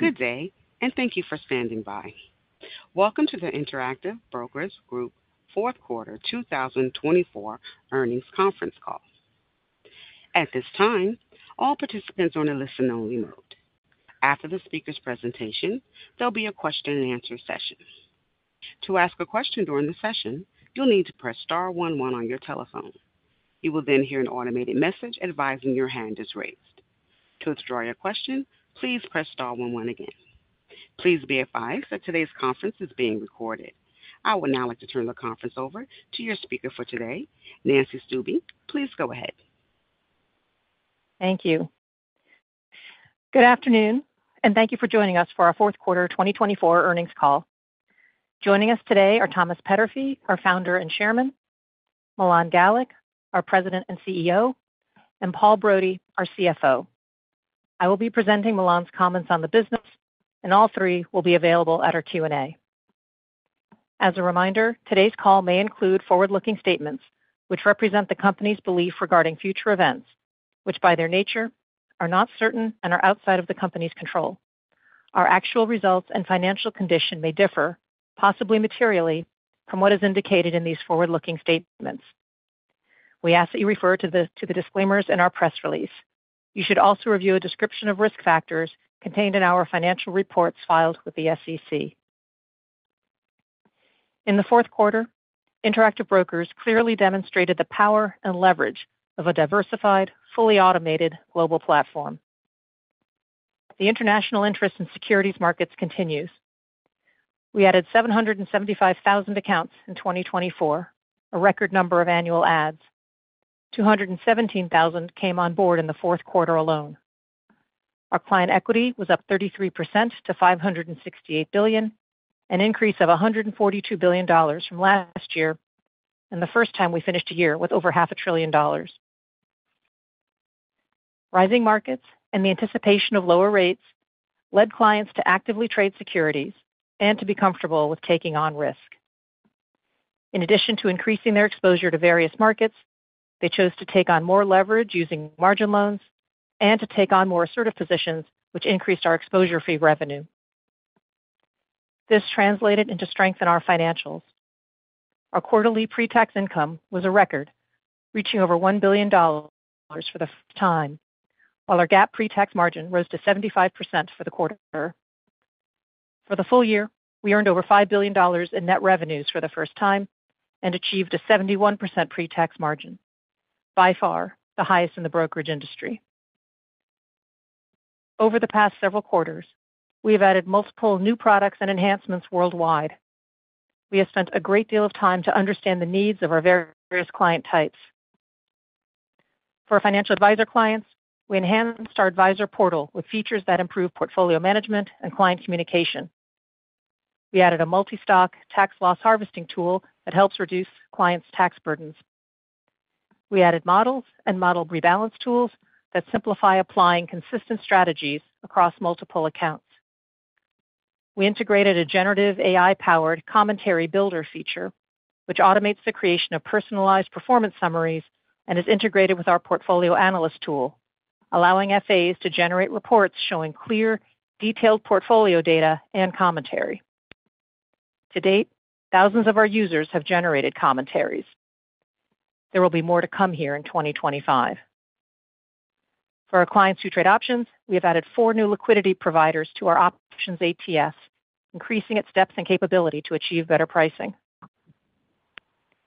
Good day, and thank you for standing by. Welcome to the Interactive Brokers Group fourth quarter 2024 earnings conference call. At this time, all participants are in a listen-only mode. After the speaker's presentation, there'll be a question-and-answer session. To ask a question during the session, you'll need to press star 11 on your telephone. You will then hear an automated message advising your hand is raised. To withdraw your question, please press star 11 again. Please be advised that today's conference is being recorded. I would now like to turn the conference over to your speaker for today, Nancy Stuebe. Please go ahead. Thank you. Good afternoon, and thank you for joining us for our Fourth Quarter 2024 earnings call. Joining us today are Thomas Peterffy, our founder and chairman; Milan Galik, our president and CEO; and Paul Brody, our CFO. I will be presenting Milan's comments on the business, and all three will be available at our Q&A. As a reminder, today's call may include forward-looking statements which represent the company's belief regarding future events, which by their nature are not certain and are outside of the company's control. Our actual results and financial condition may differ, possibly materially, from what is indicated in these forward-looking statements. We ask that you refer to the disclaimers in our press release. You should also review a description of risk factors contained in our financial reports filed with the SEC. In the fourth quarter, Interactive Brokers clearly demonstrated the power and leverage of a diversified, fully automated global platform. The international interest in securities markets continues. We added 775,000 accounts in 2024, a record number of annual adds. 217,000 came on board in the fourth quarter alone. Our client equity was up 33% to $568 billion, an increase of $142 billion from last year, and the first time we finished a year with over $500 billion. Rising markets and the anticipation of lower rates led clients to actively trade securities and to be comfortable with taking on risk. In addition to increasing their exposure to various markets, they chose to take on more leverage using margin loans and to take on more assertive positions, which increased our exposure fee revenue. This translated into strength in our financials. Our quarterly pre-tax income was a record, reaching over $1 billion for the first time, while our GAAP pre-tax margin rose to 75% for the quarter. For the full year, we earned over $5 billion in net revenues for the first time and achieved a 71% pre-tax margin, by far the highest in the brokerage industry. Over the past several quarters, we have added multiple new products and enhancements worldwide. We have spent a great deal of time to understand the needs of our various client types. For financial advisor clients, we enhanced our Advisor Portal with features that improve portfolio management and client communication. We added a multi-stock tax loss harvesting tool that helps reduce clients' tax burdens. We added models and model rebalance tools that simplify applying consistent strategies across multiple accounts. We integrated a generative AI-powered commentary builder feature, which automates the creation of personalized performance summaries and is integrated with our PortfolioAnalyst tool, allowing FAs to generate reports showing clear, detailed portfolio data and commentary. To date, thousands of our users have generated commentaries. There will be more to come here in 2025. For our clients who trade options, we have added four new liquidity providers to our options ATS, increasing its depth and capability to achieve better pricing.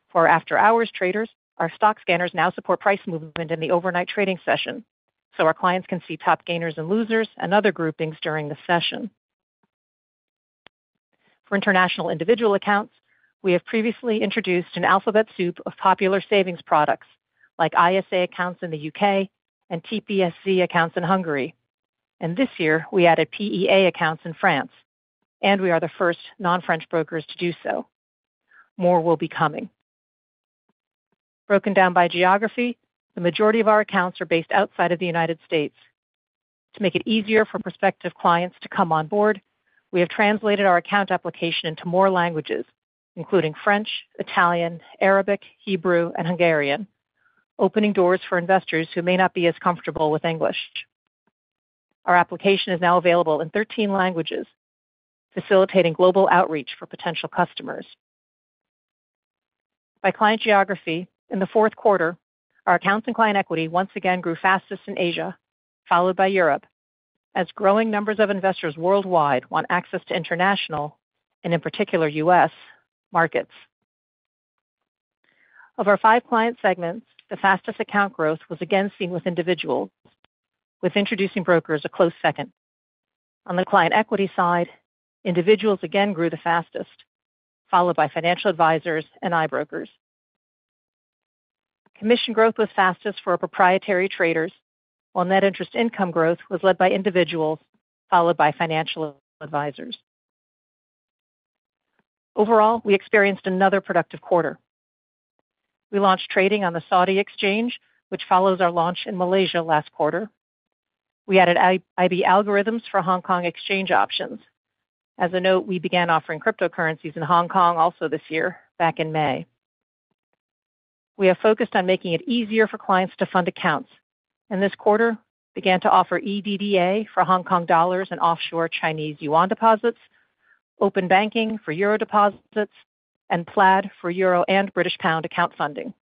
For our after-hours traders, our stock scanners now support price movement in the overnight trading session, so our clients can see top gainers and losers and other groupings during the session. For international individual accounts, we have previously introduced an alphabet soup of popular savings products like ISA accounts in the U.K. and TBSZ accounts in Hungary. And this year, we added PEA accounts in France, and we are the first non-French brokers to do so. More will be coming. Broken down by geography, the majority of our accounts are based outside of the United States. To make it easier for prospective clients to come on board, we have translated our account application into more languages, including French, Italian, Arabic, Hebrew, and Hungarian, opening doors for investors who may not be as comfortable with English. Our application is now available in 13 languages, facilitating global outreach for potential customers. By client geography, in the fourth quarter, our accounts and client equity once again grew fastest in Asia, followed by Europe, as growing numbers of investors worldwide want access to international, and in particular, U.S. markets. Of our five client segments, the fastest account growth was again seen with individuals, with introducing brokers a close second. On the client equity side, individuals again grew the fastest, followed by financial advisors and IBrokers. Commission growth was fastest for proprietary traders, while net interest income growth was led by individuals, followed by financial advisors. Overall, we experienced another productive quarter. We launched trading on the Saudi Exchange, which follows our launch in Malaysia last quarter. We added IB Algorithms for Hong Kong Exchange options. As a note, we began offering cryptocurrencies in Hong Kong also this year, back in May. We have focused on making it easier for clients to fund accounts, and this quarter began to offer eDDA for Hong Kong dollars and offshore Chinese yuan deposits, open banking for euro deposits, and Plaid for euro and British pound account funding.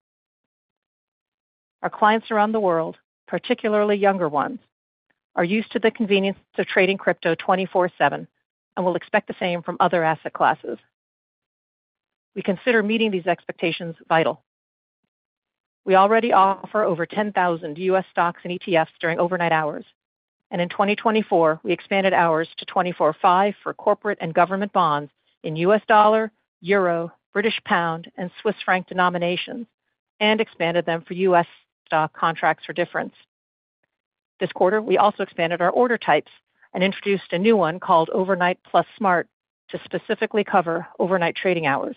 Our clients around the world, particularly younger ones, are used to the convenience of trading crypto 24/7 and will expect the same from other asset classes. We consider meeting these expectations vital. We already offer over 10,000 U.S. stocks and ETFs during overnight hours, and in 2024, we expanded hours to 24/5 for corporate and government bonds in U.S. dollar, euro, British pound, and Swiss franc denominations, and expanded them for U.S. stock contracts for difference. This quarter, we also expanded our order types and introduced a new one called OVERNIGHT + SMART to specifically cover overnight trading hours.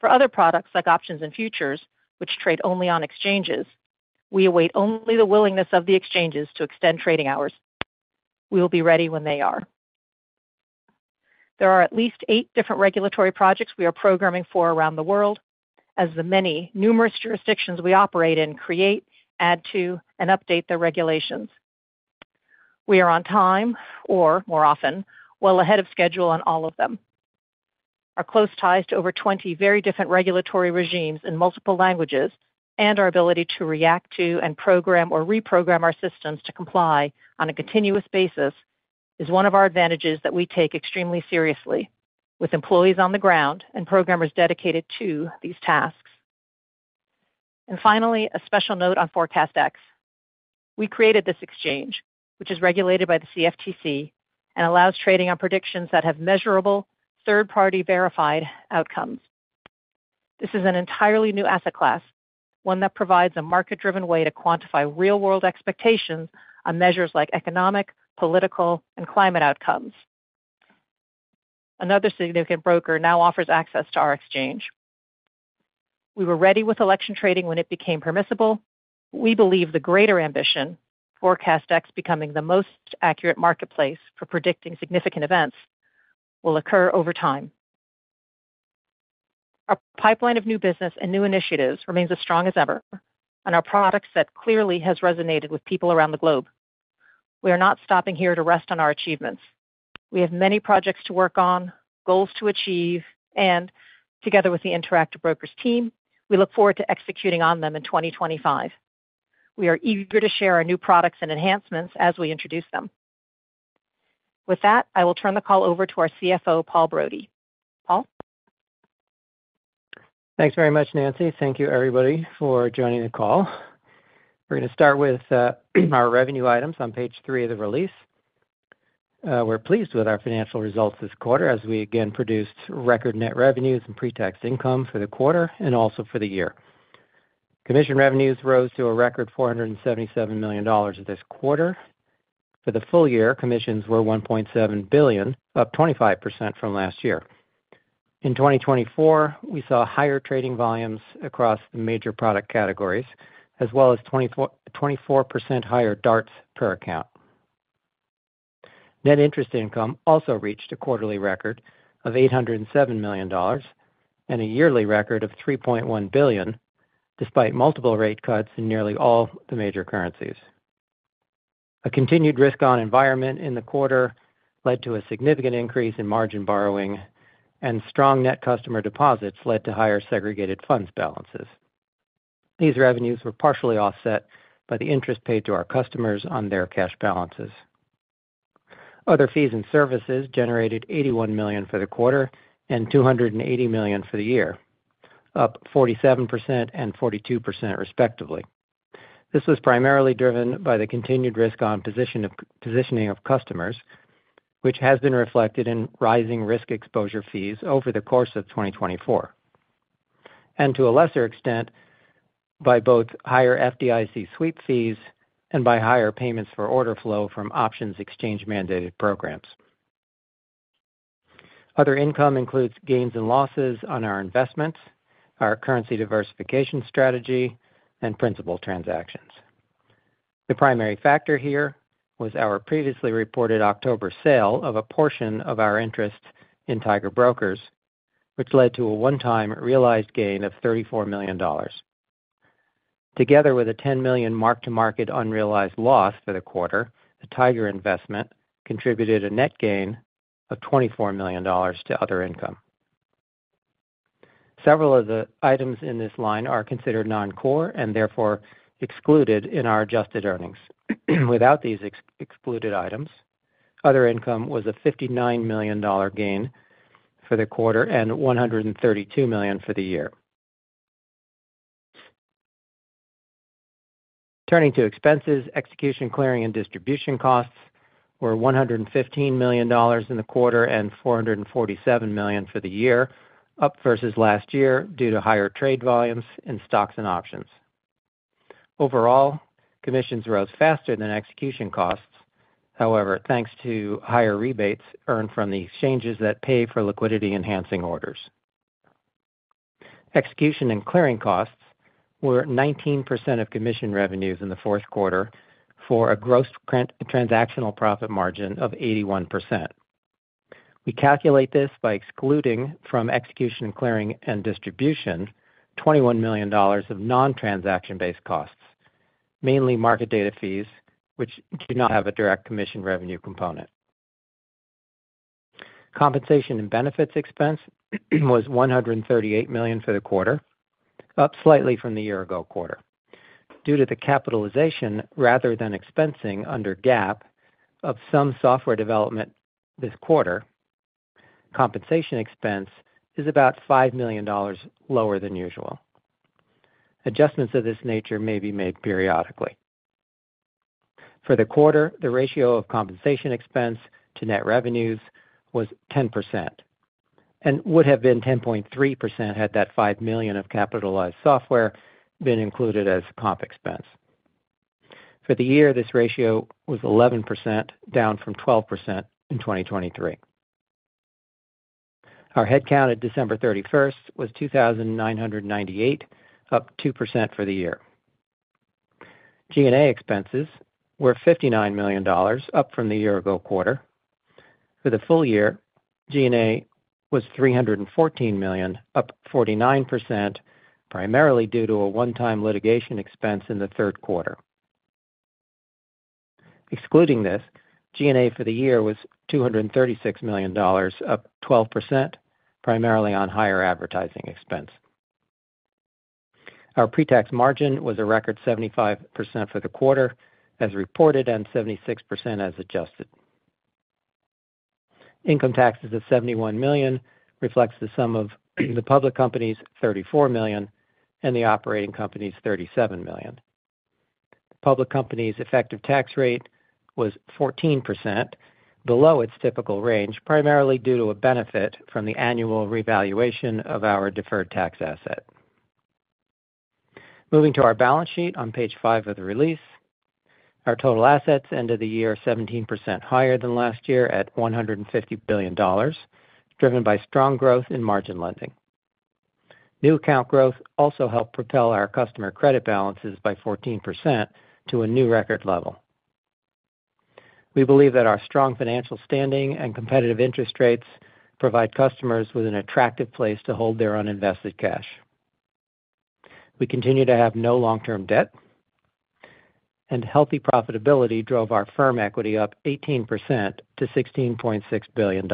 For other products like options and futures, which trade only on exchanges, we await only the willingness of the exchanges to extend trading hours. We will be ready when they are. There are at least eight different regulatory projects we are programming for around the world, as the many numerous jurisdictions we operate in create, add to, and update their regulations. We are on time, or more often, well ahead of schedule on all of them. Our close ties to over 20 very different regulatory regimes in multiple languages and our ability to react to and program or reprogram our systems to comply on a continuous basis is one of our advantages that we take extremely seriously, with employees on the ground and programmers dedicated to these tasks. And finally, a special note on ForecastEx. We created this exchange, which is regulated by the CFTC and allows trading on predictions that have measurable, third-party verified outcomes. This is an entirely new asset class, one that provides a market-driven way to quantify real-world expectations on measures like economic, political, and climate outcomes. Another significant broker now offers access to our exchange. We were ready with election trading when it became permissible. We believe the greater ambition, ForecastEx becoming the most accurate marketplace for predicting significant events, will occur over time. Our pipeline of new business and new initiatives remains as strong as ever, and our product set clearly has resonated with people around the globe. We are not stopping here to rest on our achievements. We have many projects to work on, goals to achieve, and together with the Interactive Brokers team, we look forward to executing on them in 2025. We are eager to share our new products and enhancements as we introduce them. With that, I will turn the call over to our CFO, Paul Brody. Paul? Thanks very much, Nancy. Thank you, everybody, for joining the call. We're going to start with our revenue items on page three of the release. We're pleased with our financial results this quarter as we again produced record net revenues and pre-tax income for the quarter and also for the year. Commission revenues rose to a record $477 million this quarter. For the full year, commissions were $1.7 billion, up 25% from last year. In 2024, we saw higher trading volumes across the major product categories, as well as 24% higher DARTs per account. Net interest income also reached a quarterly record of $807 million and a yearly record of $3.1 billion, despite multiple rate cuts in nearly all the major currencies. A continued risk-on environment in the quarter led to a significant increase in margin borrowing, and strong net customer deposits led to higher segregated funds balances. These revenues were partially offset by the interest paid to our customers on their cash balances. Other fees and services generated $81 million for the quarter and $280 million for the year, up 47% and 42%, respectively. This was primarily driven by the continued risk-on positioning of customers, which has been reflected in rising risk exposure fees over the course of 2024, and to a lesser extent by both higher FDIC sweep fees and by higher payments for order flow from options exchange-mandated programs. Other income includes gains and losses on our investments, our currency diversification strategy, and principal transactions. The primary factor here was our previously reported October sale of a portion of our interest in Tiger Brokers, which led to a one-time realized gain of $34 million. Together with a $10 million mark-to-market unrealized loss for the quarter, the Tiger investment contributed a net gain of $24 million to other income. Several of the items in this line are considered non-core and therefore excluded in our adjusted earnings. Without these excluded items, other income was a $59 million gain for the quarter and $132 million for the year. Turning to expenses, execution, clearing, and distribution costs were $115 million in the quarter and $447 million for the year, up versus last year due to higher trade volumes in stocks and options. Overall, commissions rose faster than execution costs, however, thanks to higher rebates earned from the exchanges that pay for liquidity-enhancing orders. Execution and clearing costs were 19% of commission revenues in the fourth quarter for a gross transactional profit margin of 81%. We calculate this by excluding from execution and clearing and distribution $21 million of non-transaction-based costs, mainly market data fees, which do not have a direct commission revenue component. Compensation and benefits expense was $138 million for the quarter, up slightly from the year-ago quarter. Due to the capitalization rather than expensing under GAAP of some software development this quarter, compensation expense is about $5 million lower than usual. Adjustments of this nature may be made periodically. For the quarter, the ratio of compensation expense to net revenues was 10% and would have been 10.3% had that $5 million of capitalized software been included as comp expense. For the year, this ratio was 11%, down from 12% in 2023. Our headcount at December 31st was 2,998, up 2% for the year. G&A expenses were $59 million, up from the year-ago quarter. For the full year, G&A was $314 million, up 49%, primarily due to a one-time litigation expense in the third quarter. Excluding this, G&A for the year was $236 million, up 12%, primarily on higher advertising expense. Our pre-tax margin was a record 75% for the quarter, as reported, and 76% as adjusted. Income taxes of $71 million reflects the sum of the public company's $34 million and the operating company's $37 million. Public company's effective tax rate was 14%, below its typical range, primarily due to a benefit from the annual revaluation of our deferred tax asset. Moving to our balance sheet on page five of the release, our total assets ended the year 17% higher than last year at $150 billion, driven by strong growth in margin lending. New account growth also helped propel our customer credit balances by 14% to a new record level. We believe that our strong financial standing and competitive interest rates provide customers with an attractive place to hold their uninvested cash. We continue to have no long-term debt, and healthy profitability drove our firm equity up 18% to $16.6 billion.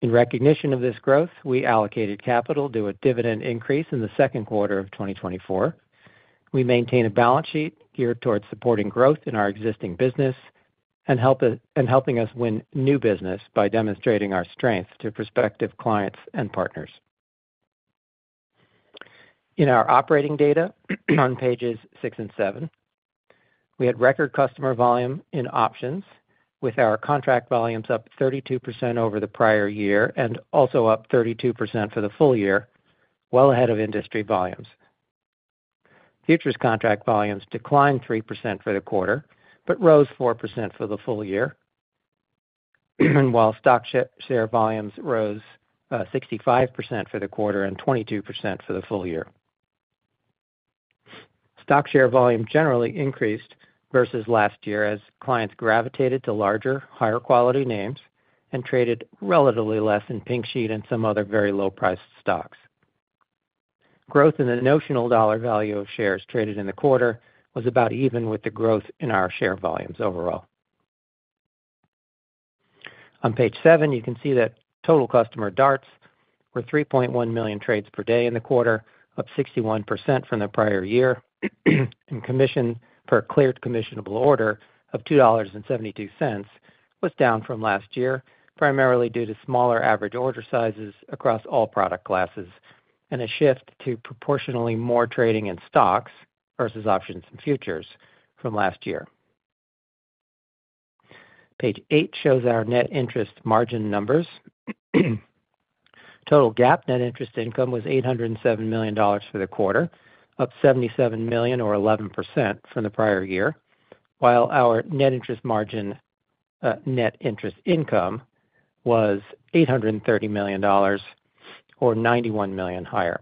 In recognition of this growth, we allocated capital to a dividend increase in the second quarter of 2024. We maintain a balance sheet geared towards supporting growth in our existing business and helping us win new business by demonstrating our strength to prospective clients and partners. In our operating data on pages six and seven, we had record customer volume in options, with our contract volumes up 32% over the prior year and also up 32% for the full year, well ahead of industry volumes. Futures contract volumes declined 3% for the quarter but rose 4% for the full year, while stock share volumes rose 65% for the quarter and 22% for the full year. Stock share volume generally increased versus last year as clients gravitated to larger, higher-quality names and traded relatively less in pink sheet and some other very low-priced stocks. Growth in the notional dollar value of shares traded in the quarter was about even with the growth in our share volumes overall. On page seven, you can see that total customer DARTs were 3.1 million trades per day in the quarter, up 61% from the prior year, and commission per cleared commissionable order of $2.72 was down from last year, primarily due to smaller average order sizes across all product classes and a shift to proportionally more trading in stocks versus options and futures from last year. Page eight shows our net interest margin numbers. Total GAAP net interest income was $807 million for the quarter, up $77 million, or 11%, from the prior year, while our net interest margin net interest income was $830 million, or $91 million higher.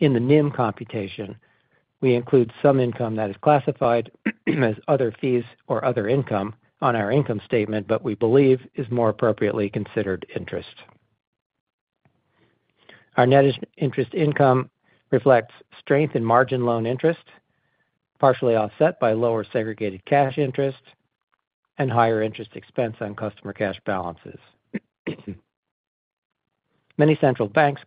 In the NIM computation, we include some income that is classified as other fees or other income on our income statement, but we believe is more appropriately considered interest. Our net interest income reflects strength in margin loan interest, partially offset by lower segregated cash interest and higher interest expense on customer cash balances. Many central banks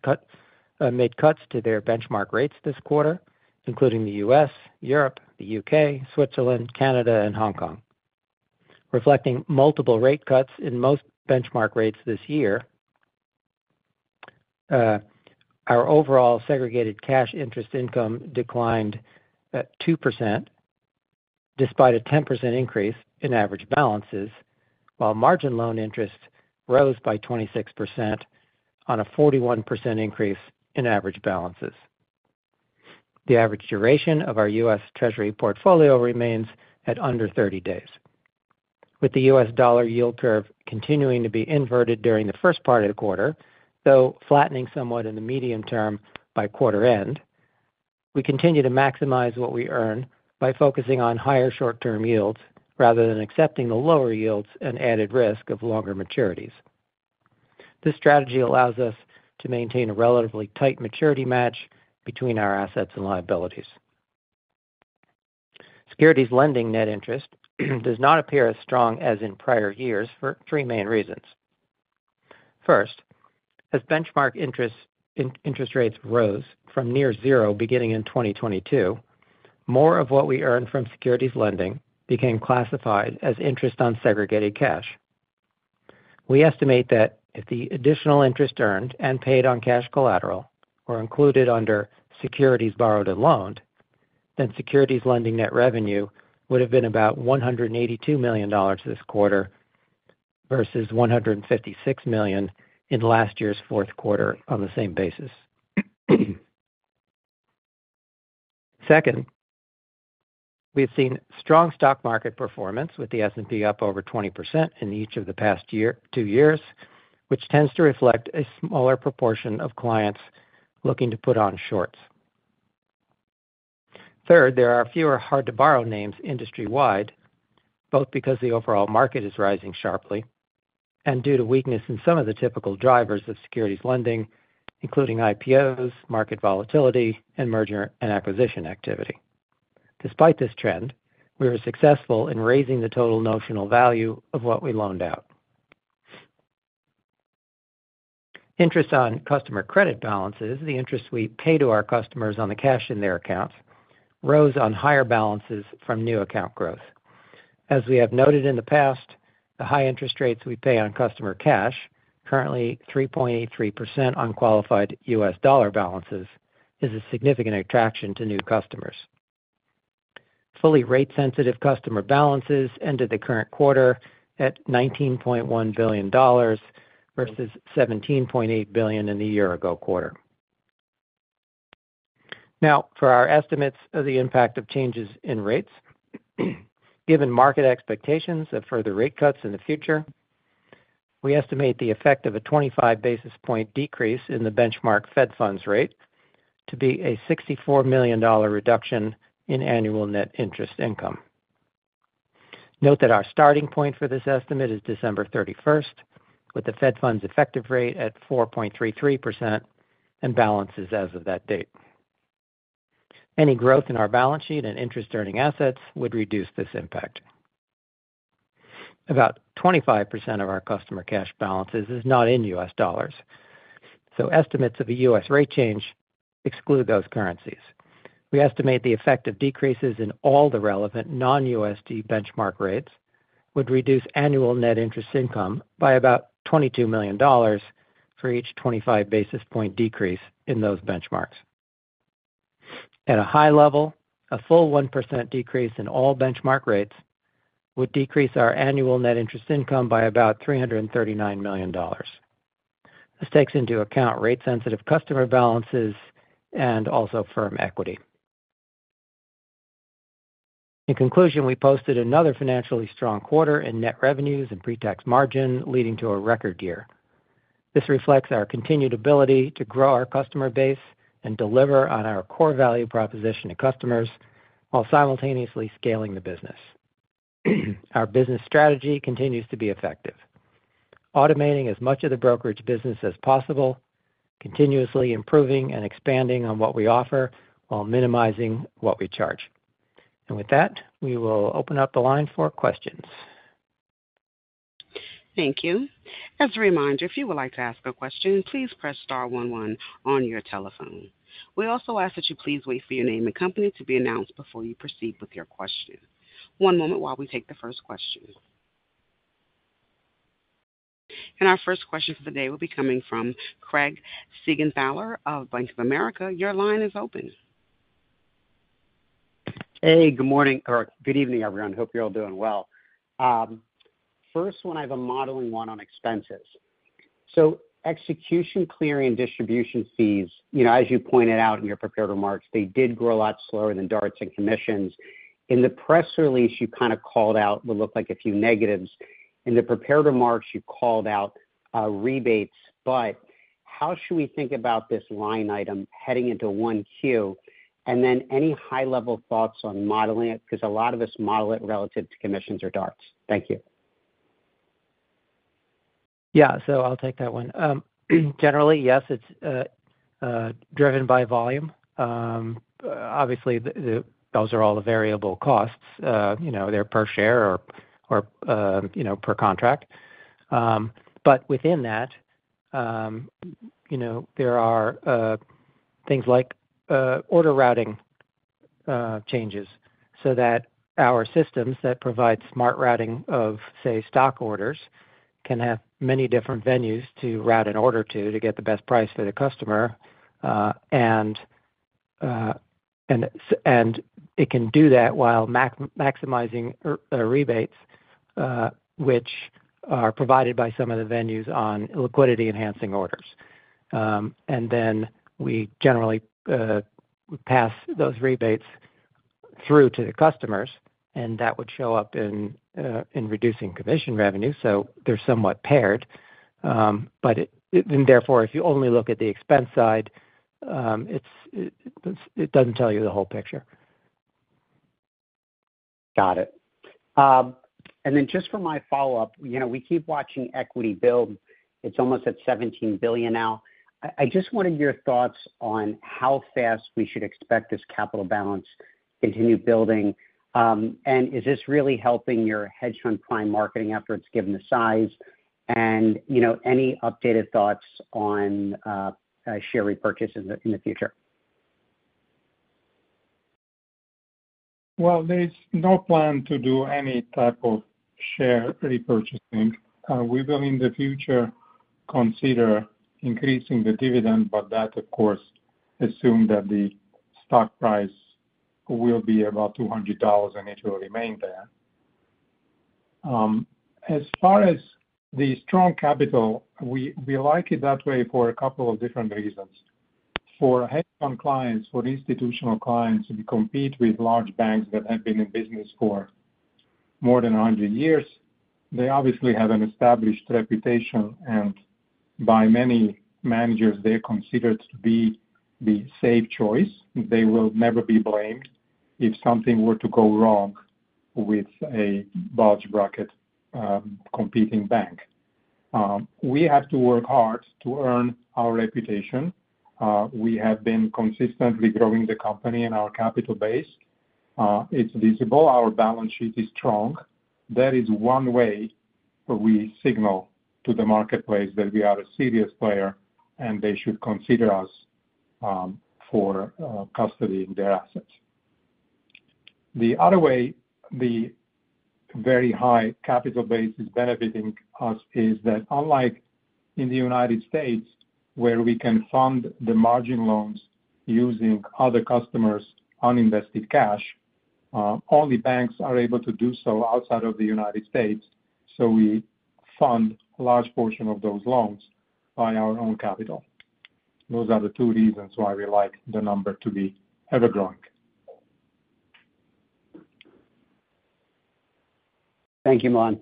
made cuts to their benchmark rates this quarter, including the U.S., Europe, the U.K., Switzerland, Canada, and Hong Kong, reflecting multiple rate cuts in most benchmark rates this year. Our overall segregated cash interest income declined 2%, despite a 10% increase in average balances, while margin loan interest rose by 26% on a 41% increase in average balances. The average duration of our U.S. Treasury portfolio remains at under 30 days. With the U.S. dollar yield curve continuing to be inverted during the first part of the quarter, though flattening somewhat in the medium term by quarter end, we continue to maximize what we earn by focusing on higher short-term yields rather than accepting the lower yields and added risk of longer maturities. This strategy allows us to maintain a relatively tight maturity match between our assets and liabilities. Securities lending net interest does not appear as strong as in prior years for three main reasons. First, as benchmark interest rates rose from near zero beginning in 2022, more of what we earned from securities lending became classified as interest on segregated cash. We estimate that if the additional interest earned and paid on cash collateral were included under securities borrowed and loaned, then securities lending net revenue would have been about $182 million this quarter versus $156 million in last year's fourth quarter on the same basis. Second, we have seen strong stock market performance with the S&P up over 20% in each of the past two years, which tends to reflect a smaller proportion of clients looking to put on shorts. Third, there are fewer hard-to-borrow names industry-wide, both because the overall market is rising sharply and due to weakness in some of the typical drivers of securities lending, including IPOs, market volatility, and merger and acquisition activity. Despite this trend, we were successful in raising the total notional value of what we loaned out. Interest on customer credit balances, the interest we pay to our customers on the cash in their accounts, rose on higher balances from new account growth. As we have noted in the past, the high interest rates we pay on customer cash, currently 3.83% on qualified U.S. dollar balances, is a significant attraction to new customers. Fully rate-sensitive customer balances ended the current quarter at $19.1 billion versus $17.8 billion in the year-ago quarter. Now, for our estimates of the impact of changes in rates, given market expectations of further rate cuts in the future, we estimate the effect of a 25 basis points decrease in the benchmark Fed Funds Rate to be a $64 million reduction in annual net interest income. Note that our starting point for this estimate is December 31st, with the Fed funds effective rate at 4.33% and balances as of that date. Any growth in our balance sheet and interest-earning assets would reduce this impact. About 25% of our customer cash balances is not in U.S. dollars, so estimates of a U.S. rate change exclude those currencies. We estimate the effect of decreases in all the relevant non-USD benchmark rates would reduce annual net interest income by about $22 million for each 25 basis point decrease in those benchmarks. At a high level, a full 1% decrease in all benchmark rates would decrease our annual net interest income by about $339 million. This takes into account rate-sensitive customer balances and also firm equity. In conclusion, we posted another financially strong quarter in net revenues and pre-tax margin, leading to a record year. This reflects our continued ability to grow our customer base and deliver on our core value proposition to customers while simultaneously scaling the business. Our business strategy continues to be effective, automating as much of the brokerage business as possible, continuously improving and expanding on what we offer while minimizing what we charge. And with that, we will open up the line for questions. Thank you. As a reminder, if you would like to ask a question, please press star 11 on your telephone. We also ask that you please wait for your name and company to be announced before you proceed with your question. One moment while we take the first question. And our first question for the day will be coming from Craig Siegenthaler of Bank of America. Your line is open. Hey, good morning or good evening, everyone. Hope you're all doing well. First one, I have a modeling one on expenses. So execution, clearing, and distribution fees, as you pointed out in your prepared remarks, they did grow a lot slower than DARTs and commissions. In the press release, you kind of called out what looked like a few negatives. In the prepared remarks, you called out rebates. But how should we think about this line item heading into 1Q? And then any high-level thoughts on modeling it? Because a lot of us model it relative to commissions or DARTs. Thank you. Yeah, so I'll take that one. Generally, yes, it's driven by volume. Obviously, those are all the variable costs. They're per share or per contract. But within that, there are things like order routing changes so that our systems that provide smart routing of, say, stock orders can have many different venues to route an order to get the best price for the customer. And it can do that while maximizing rebates, which are provided by some of the venues on liquidity-enhancing orders. And then we generally pass those rebates through to the customers, and that would show up in reducing commission revenue. So they're somewhat paired. But therefore, if you only look at the expense side, it doesn't tell you the whole picture. Got it. And then just for my follow-up, we keep watching equity build. It's almost at $17 billion now. I just wanted your thoughts on how fast we should expect this capital balance to continue building. Is this really helping your hedge fund prime marketing after it's given the size? And any updated thoughts on share repurchase in the future? There's no plan to do any type of share repurchasing. We will, in the future, consider increasing the dividend, but that, of course, assumes that the stock price will be about $200 and it will remain there. As far as the strong capital, we like it that way for a couple of different reasons. For hedge fund clients, for institutional clients, we compete with large banks that have been in business for more than 100 years. They obviously have an established reputation, and by many managers, they're considered to be the safe choice. They will never be blamed if something were to go wrong with a bulge bracket competing bank. We have to work hard to earn our reputation. We have been consistently growing the company and our capital base. It's visible. Our balance sheet is strong. That is one way we signal to the marketplace that we are a serious player, and they should consider us for custodying their assets. The other way the very high capital base is benefiting us is that, unlike in the United States, where we can fund the margin loans using other customers' uninvested cash, only banks are able to do so outside of the United States. So we fund a large portion of those loans by our own capital. Those are the two reasons why we like the number to be ever-growing. Thank you, Milan.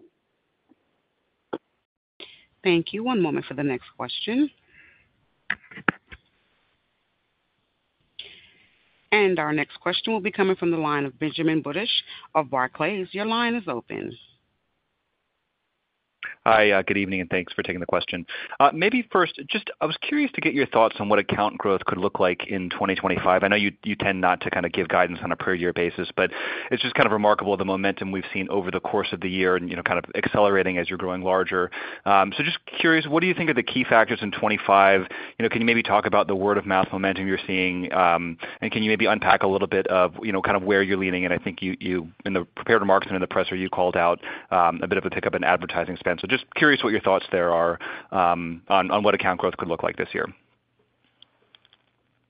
Thank you. One moment for the next question. And our next question will be coming from the line of Benjamin Budish of Barclays. Your line is open. Hi, good evening, and thanks for taking the question. Maybe first, just I was curious to get your thoughts on what account growth could look like in 2025. I know you tend not to kind of give guidance on a per-year basis, but it's just kind of remarkable the momentum we've seen over the course of the year and kind of accelerating as you're growing larger. So just curious, what do you think are the key factors in 2025? Can you maybe talk about the word-of-mouth momentum you're seeing, and can you maybe unpack a little bit of kind of where you're leaning? And I think in the prepared remarks and in the press, you called out a bit of a pickup in advertising spend. So just curious what your thoughts there are on what account growth could look like this year.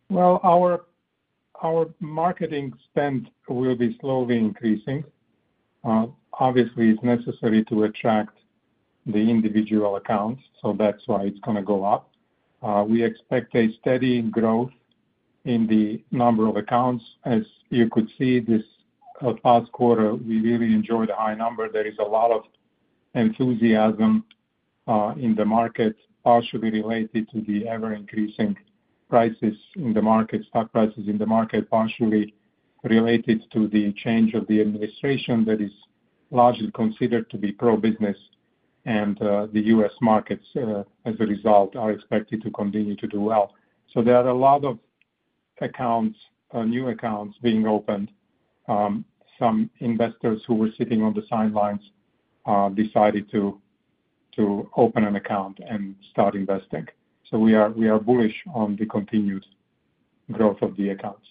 Well, our marketing spend will be slowly increasing. Obviously, it's necessary to attract the individual accounts, so that's why it's going to go up. We expect a steady growth in the number of accounts. As you could see this past quarter, we really enjoyed a high number. There is a lot of enthusiasm in the market, partially related to the ever-increasing prices in the market, stock prices in the market, partially related to the change of the administration that is largely considered to be pro-business, and the U.S. markets, as a result, are expected to continue to do well, so there are a lot of accounts, new accounts being opened. Some investors who were sitting on the sidelines decided to open an account and start investing. So we are bullish on the continued growth of the accounts.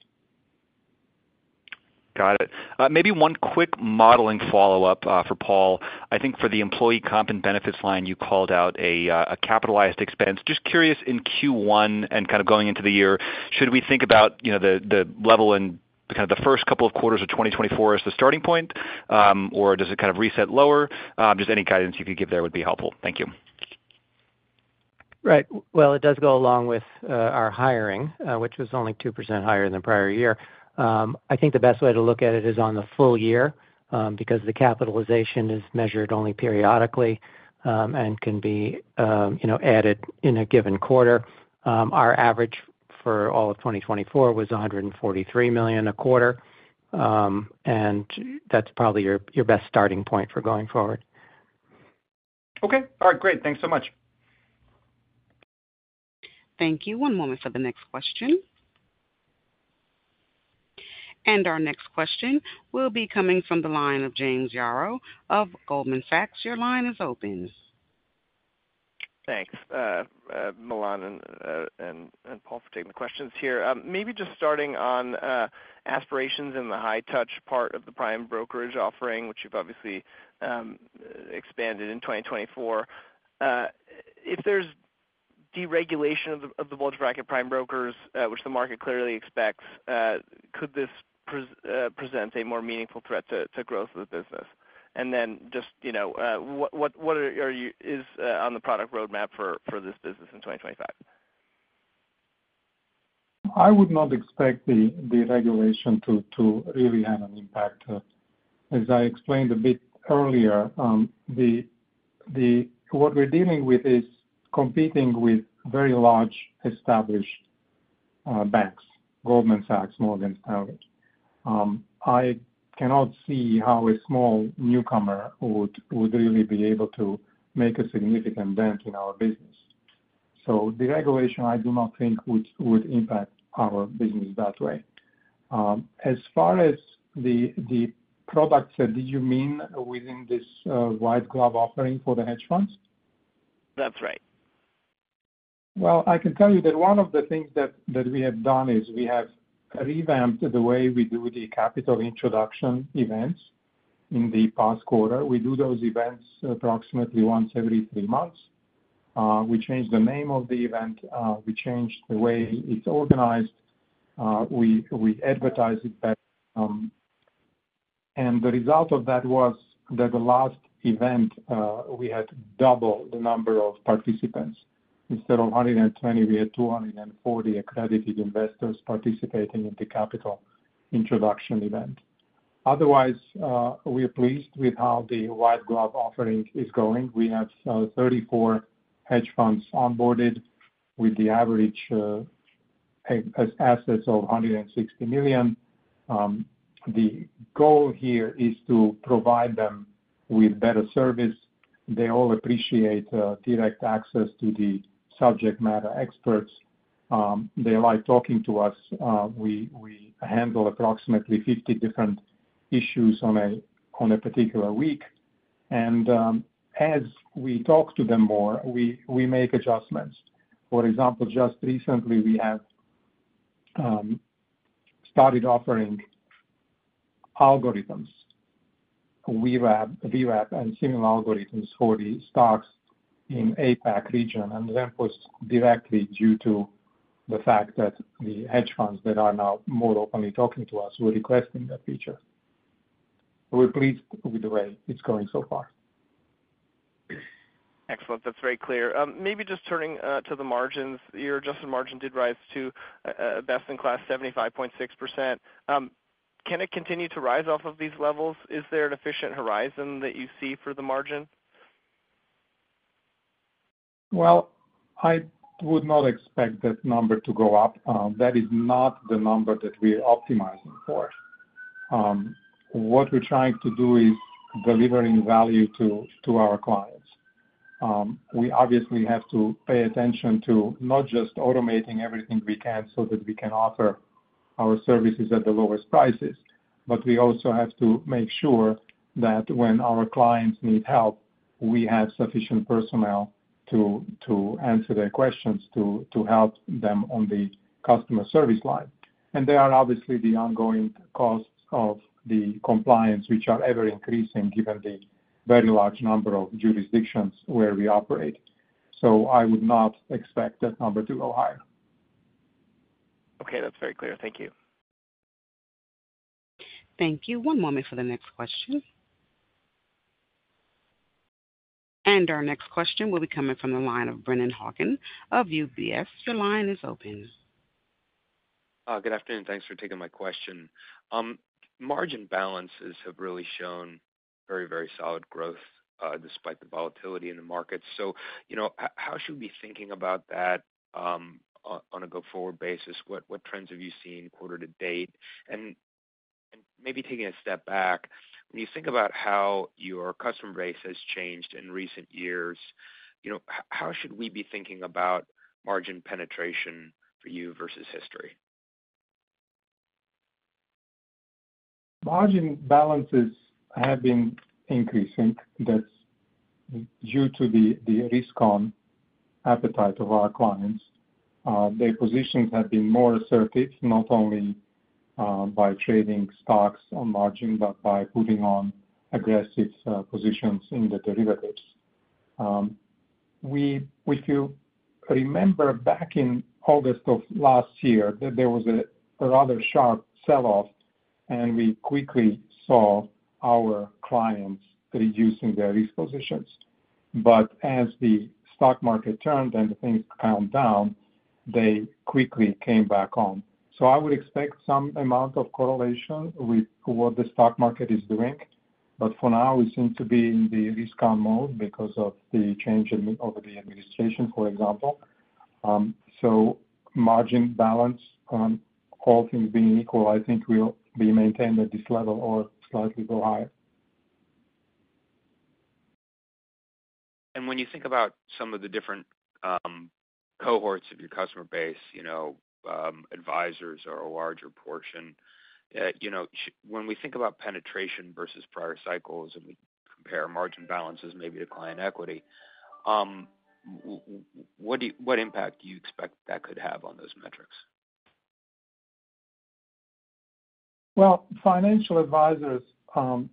Got it. Maybe one quick modeling follow-up for Paul. I think for the employee comp and benefits line, you called out a capitalized expense. Just curious, in Q1 and kind of going into the year, should we think about the level and kind of the first couple of quarters of 2024 as the starting point, or does it kind of reset lower? Just any guidance you could give there would be helpful. Thank you. Right. Well, it does go along with our hiring, which was only 2% higher than the prior year. I think the best way to look at it is on the full year because the capitalization is measured only periodically and can be added in a given quarter. Our average for all of 2024 was $143 million a quarter, and that's probably your best starting point for going forward. Okay. All right. Great. Thanks so much. Thank you. One moment for the next question. Our next question will be coming from the line of James Yaro of Goldman Sachs. Your line is open. Thanks, Milan and Paul, for taking the questions here. Maybe just starting on aspirations in the high-touch part of the prime brokerage offering, which you've obviously expanded in 2024. If there's deregulation of the bulge bracket prime brokers, which the market clearly expects, could this present a more meaningful threat to growth of the business? And then just what is on the product roadmap for this business in 2025? I would not expect the deregulation to really have an impact. As I explained a bit earlier, what we're dealing with is competing with very large established banks, Goldman Sachs, Morgan Stanley. I cannot see how a small newcomer would really be able to make a significant dent in our business. So deregulation, I do not think, would impact our business that way. As far as the products, did you mean within this white glove offering for the hedge funds? That's right. Well, I can tell you that one of the things that we have done is we have revamped the way we do the capital introduction events in the past quarter. We do those events approximately once every three months. We changed the name of the event. We changed the way it's organized. We advertise it better. And the result of that was that the last event, we had double the number of participants. Instead of 120, we had 240 accredited investors participating in the capital introduction event. Otherwise, we are pleased with how the white glove offering is going. We have 34 hedge funds onboarded with the average assets of $160 million. The goal here is to provide them with better service. They all appreciate direct access to the subject matter experts. They like talking to us. We handle approximately 50 different issues on a particular week, and as we talk to them more, we make adjustments. For example, just recently, we have started offering algorithms, VWAP, and similar algorithms for the stocks in APAC region and then posted directly due to the fact that the hedge funds that are now more openly talking to us were requesting that feature. We're pleased with the way it's going so far. Excellent. That's very clear. Maybe just turning to the margins. Your adjusted margin did rise to best in class, 75.6%. Can it continue to rise off of these levels? Is there an inflection horizon that you see for the margin? Well, I would not expect that number to go up. That is not the number that we're optimizing for. What we're trying to do is delivering value to our clients. We obviously have to pay attention to not just automating everything we can so that we can offer our services at the lowest prices, but we also have to make sure that when our clients need help, we have sufficient personnel to answer their questions, to help them on the customer service line. And there are obviously the ongoing costs of the compliance, which are ever-increasing given the very large number of jurisdictions where we operate. So I would not expect that number to go higher. Okay. That's very clear. Thank you. Thank you. One moment for the next question. And our next question will be coming from the line of Brennan Hawken of UBS. Your line is open. Good afternoon. Thanks for taking my question. Margin balances have really shown very, very solid growth despite the volatility in the market. So how should we be thinking about that on a go-forward basis? What trends have you seen quarter to date? And maybe taking a step back, when you think about how your customer base has changed in recent years, how should we be thinking about margin penetration for you versus history? Margin balances have been increasing. That's due to the risk-on appetite of our clients. Their positions have been more assertive, not only by trading stocks on margin, but by putting on aggressive positions in the derivatives. We remember back in August of last year that there was a rather sharp sell-off, and we quickly saw our clients reducing their risk positions. But as the stock market turned and things calmed down, they quickly came back on. So I would expect some amount of correlation with what the stock market is doing. But for now, we seem to be in the risk-on mode because of the change over the administration, for example. So margin balance, all things being equal, I think will be maintained at this level or slightly go higher. And when you think about some of the different cohorts of your customer base, advisors are a larger portion. When we think about penetration versus prior cycles and we compare margin balances maybe to client equity, what impact do you expect that could have on those metrics? Well, financial advisors, some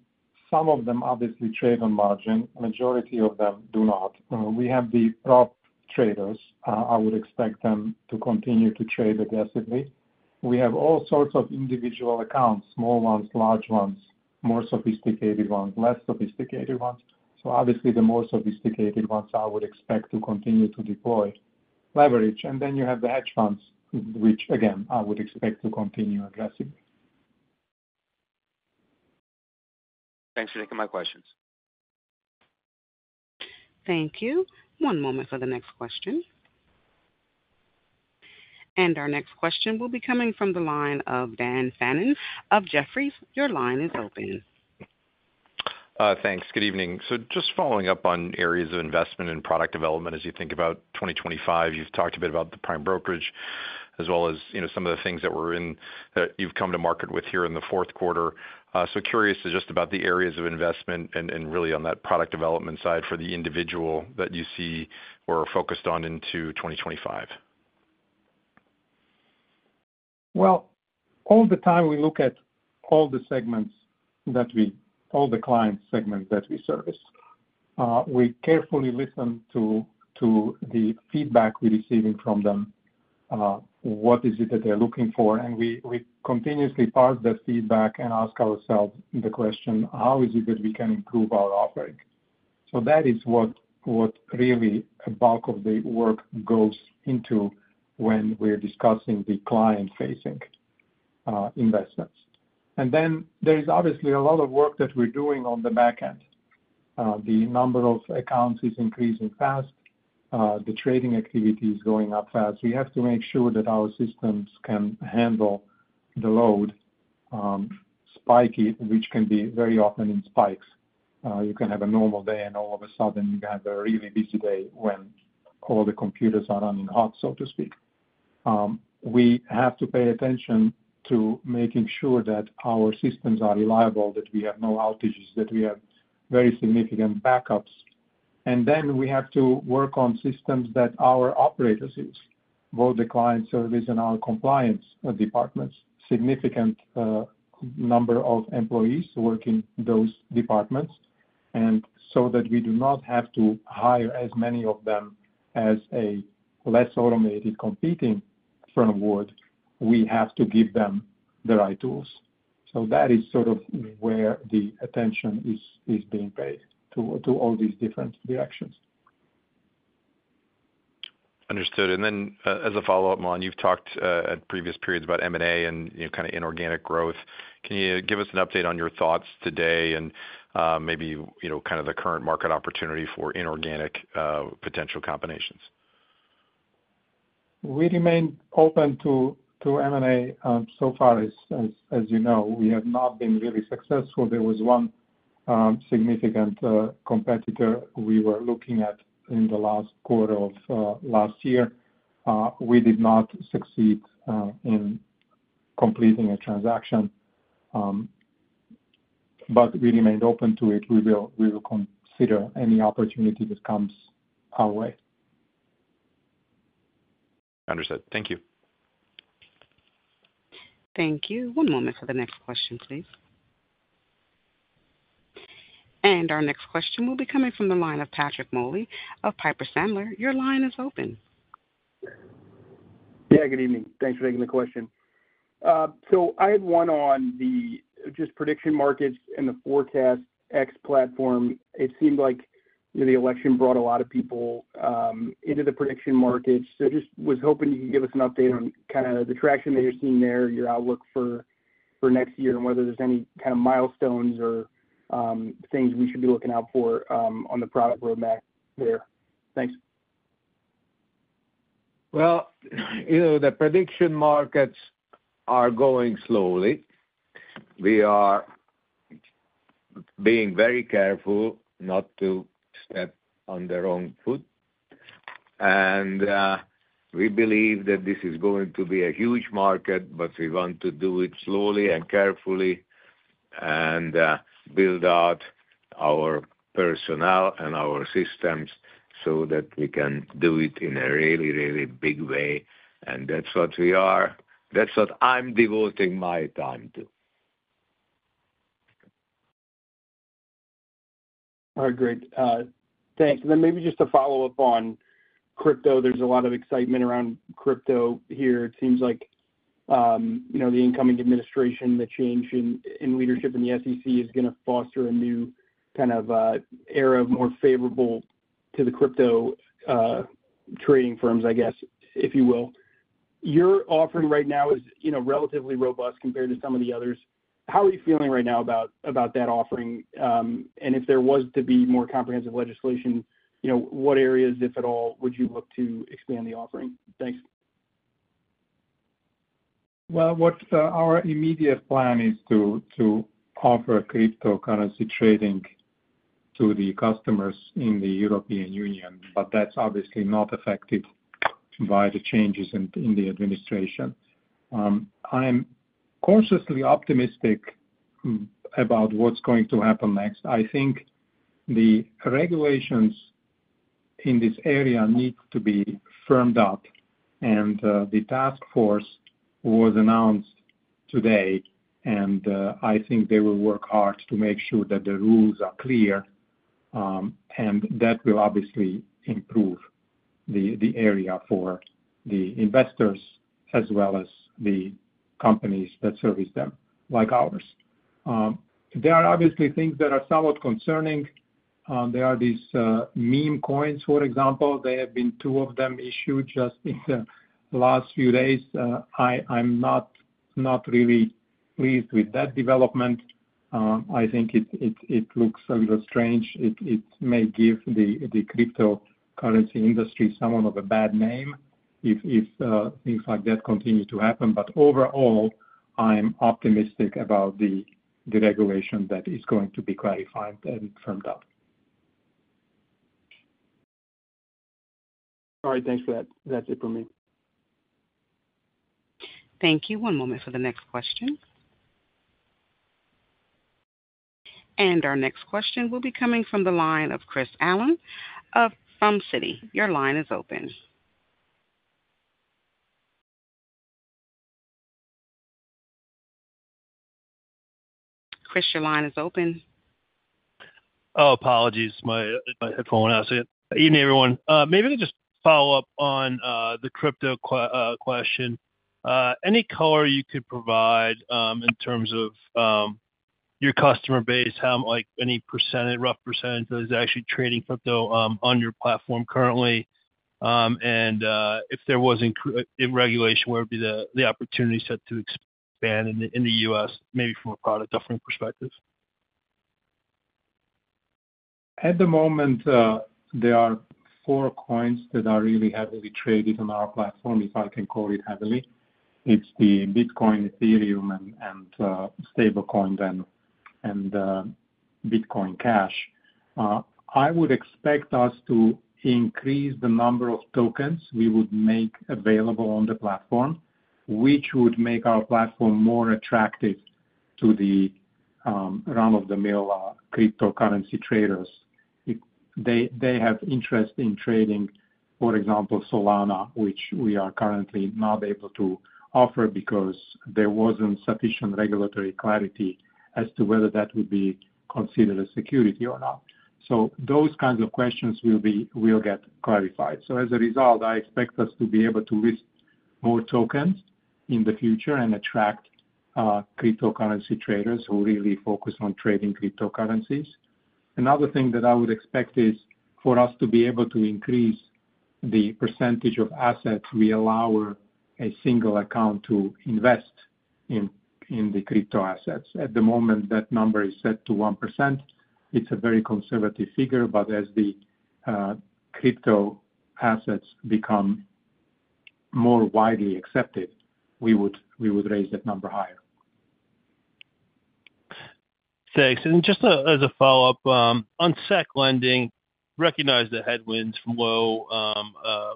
of them obviously trade on margin. The majority of them do not. We have the prop traders. I would expect them to continue to trade aggressively. We have all sorts of individual accounts, small ones, large ones, more sophisticated ones, less sophisticated ones. So obviously, the more sophisticated ones, I would expect to continue to deploy leverage. And then you have the hedge funds, which, again, I would expect to continue aggressively. Thanks for taking my questions. Thank you. One moment for the next question. And our next question will be coming from the line of Dan Fannon of Jefferies. Your line is open. Thanks. Good evening. So just following up on areas of investment and product development as you think about 2025, you've talked a bit about the prime brokerage as well as some of the things that you've come to market with here in the fourth quarter. So curious just about the areas of investment and really on that product development side for the individual that you see or are focused on into 2025. All the time we look at all the client segments that we service. We carefully listen to the feedback we're receiving from them. What is it that they're looking for? We continuously parse that feedback and ask ourselves the question, how is it that we can improve our offering? That is what really a bulk of the work goes into when we're discussing the client-facing investments. There is obviously a lot of work that we're doing on the back end. The number of accounts is increasing fast. The trading activity is going up fast. We have to make sure that our systems can handle the load, spiky, which can be very often in spikes. You can have a normal day, and all of a sudden, you can have a really busy day when all the computers are running hot, so to speak. We have to pay attention to making sure that our systems are reliable, that we have no outages, that we have very significant backups, and then we have to work on systems that our operators use, both the client service and our compliance departments, significant number of employees working those departments, and so that we do not have to hire as many of them as a less automated competing firm would, we have to give them the right tools, so that is sort of where the attention is being paid to all these different directions. Understood, and then as a follow-up, Milan, you've talked at previous periods about M&A and kind of inorganic growth. Can you give us an update on your thoughts today and maybe kind of the current market opportunity for inorganic potential combinations? We remain open to M&A so far. As you know, we have not been really successful. There was one significant competitor we were looking at in the last quarter of last year. We did not succeed in completing a transaction, but we remained open to it. We will consider any opportunity that comes our way. Understood. Thank you. Thank you. One moment for the next question, please. And our next question will be coming from the line of Patrick Moley of Piper Sandler. Your line is open. Yeah. Good evening. Thanks for taking the question. So I had one on just prediction markets and the ForecastEx platform. It seemed like the election brought a lot of people into the prediction markets. So, just was hoping you could give us an update on kind of the traction that you're seeing there, your outlook for next year, and whether there's any kind of milestones or things we should be looking out for on the product roadmap there. Thanks. Well, the prediction markets are going slowly. We are being very careful not to step on the wrong foot. And we believe that this is going to be a huge market, but we want to do it slowly and carefully and build out our personnel and our systems so that we can do it in a really, really big way. And that's what we are. That's what I'm devoting my time to. All right. Great. Thanks. And then maybe just to follow up on crypto, there's a lot of excitement around crypto here. It seems like the incoming administration, the change in leadership in the SEC is going to foster a new kind of era more favorable to the crypto trading firms, I guess, if you will. Your offering right now is relatively robust compared to some of the others. How are you feeling right now about that offering? And if there was to be more comprehensive legislation, what areas, if at all, would you look to expand the offering? Thanks. Our immediate plan is to offer cryptocurrency trading to the customers in the European Union, but that's obviously not affected by the changes in the administration. I'm cautiously optimistic about what's going to happen next. I think the regulations in this area need to be firmed up, and the task force was announced today, and I think they will work hard to make sure that the rules are clear, and that will obviously improve the area for the investors as well as the companies that service them like ours. There are obviously things that are somewhat concerning. There are these meme coins, for example. There have been two of them issued just in the last few days. I'm not really pleased with that development. I think it looks a little strange. It may give the cryptocurrency industry somewhat of a bad name if things like that continue to happen. But overall, I'm optimistic about the regulation that is going to be clarified and firmed up. All right. Thanks for that. That's it for me. Thank you. One moment for the next question. And our next question will be coming from the line of Chris Allen of Citi. Your line is open. Chris, your line is open. Oh, apologies. My headphones out. Evening, everyone. Maybe to just follow up on the crypto question, any color you could provide in terms of your customer base, how many percent, rough percentage that is actually trading crypto on your platform currently, and if there was irregularity, where would be the opportunity set to expand in the US, maybe from a product offering perspective? At the moment, there are four coins that are really heavily traded on our platform, if I can call it heavily. It's the Bitcoin, Ethereum, and Stablecoin then, and Bitcoin Cash. I would expect us to increase the number of tokens we would make available on the platform, which would make our platform more attractive to the run-of-the-mill cryptocurrency traders. They have interest in trading, for example, Solana, which we are currently not able to offer because there wasn't sufficient regulatory clarity as to whether that would be considered a security or not. So those kinds of questions will get clarified. So as a result, I expect us to be able to list more tokens in the future and attract cryptocurrency traders who really focus on trading cryptocurrencies. Another thing that I would expect is for us to be able to increase the percentage of assets we allow a single account to invest in the crypto assets. At the moment, that number is set to 1%. It's a very conservative figure, but as the crypto assets become more widely accepted, we would raise that number higher. Thanks. And just as a follow-up, on securities lending, recognize the headwinds from low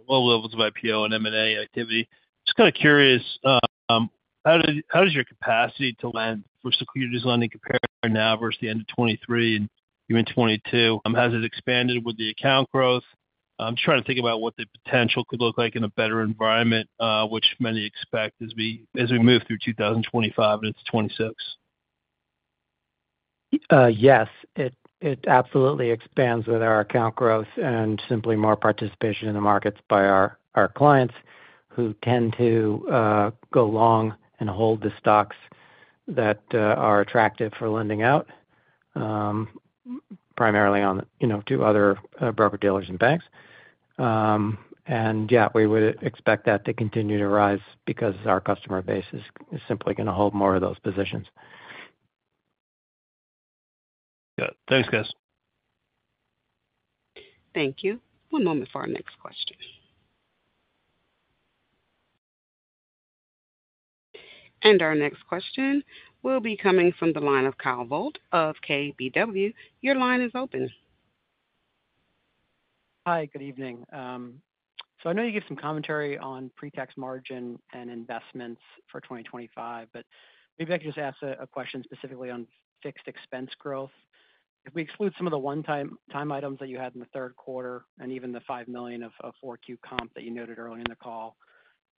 levels of IPO and M&A activity. Just kind of curious, how does your capacity to lend for securities lending compare now versus the end of 2023 and year-end 2022? Has it expanded with the account growth? I'm just trying to think about what the potential could look like in a better environment, which many expect as we move through 2025 and into 2026. Yes, it absolutely expands with our account growth and simply more participation in the markets by our clients who tend to go long and hold the stocks that are attractive for lending out, primarily to other broker dealers and banks. And yeah, we would expect that to continue to rise because our customer base is simply going to hold more of those positions. Got it. Thanks, guys. Thank you. One moment for our next question. And our next question will be coming from the line of Kyle Voigt of KBW. Your line is open. Hi, good evening. So I know you gave some commentary on pre-tax margin and investments for 2025, but maybe I could just ask a question specifically on fixed expense growth. If we exclude some of the one-time items that you had in the third quarter and even the $5 million of 4Q Comp that you noted earlier in the call,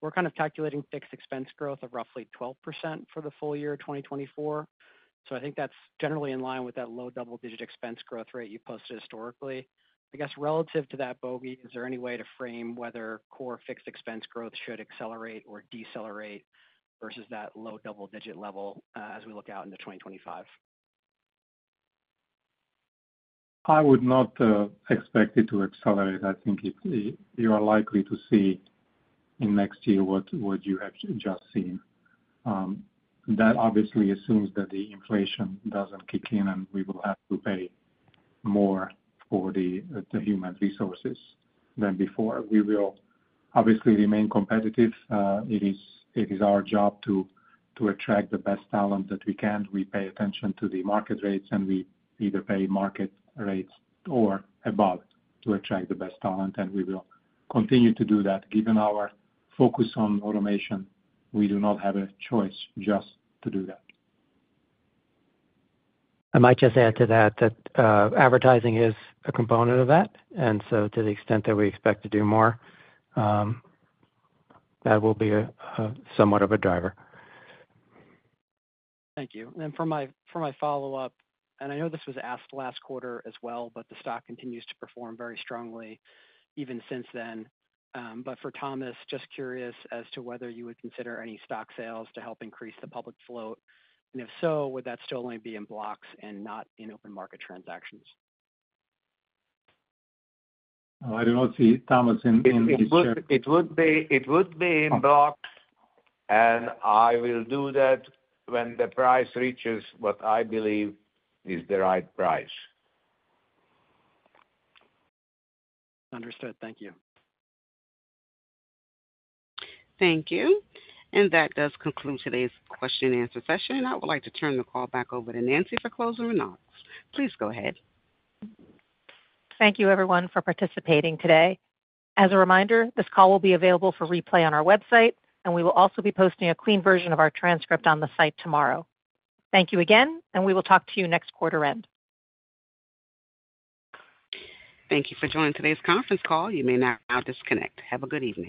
we're kind of calculating fixed expense growth of roughly 12% for the full year of 2024. So I think that's generally in line with that low double-digit expense growth rate you posted historically. I guess relative to that, Brody, is there any way to frame whether core fixed expense growth should accelerate or decelerate versus that low double-digit level as we look out into 2025? I would not expect it to accelerate. I think you are likely to see in next year what you have just seen. That obviously assumes that the inflation doesn't kick in and we will have to pay more for the human resources than before. We will obviously remain competitive. It is our job to attract the best talent that we can. We pay attention to the market rates, and we either pay market rates or above to attract the best talent, and we will continue to do that. Given our focus on automation, we do not have a choice just to do that. I might just add to that that advertising is a component of that, and so to the extent that we expect to do more, that will be somewhat of a driver. Thank you. For my follow-up, and I know this was asked last quarter as well, but the stock continues to perform very strongly even since then. But for Thomas, just curious as to whether you would consider any stock sales to help increase the public float. And if so, would that still only be in blocks and not in open market transactions? I don't know. Thomas. It would be in blocks, and I will do that when the price reaches what I believe is the right price. Understood. Thank you. Thank you. And that does conclude today's question-and-answer session. I would like to turn the call back over to Nancy for closing remarks. Please go ahead. Thank you, everyone, for participating today. As a reminder, this call will be available for replay on our website, and we will also be posting a clean version of our transcript on the site tomorrow. Thank you again, and we will talk to you next quarter-end. Thank you for joining today's conference call. You may now disconnect. Have a good evening.